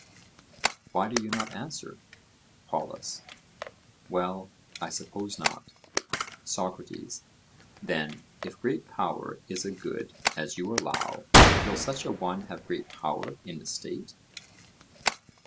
Why do you not answer? POLUS: Well, I suppose not. SOCRATES: Then if great power is a good as you allow, will such a one have great power in a state?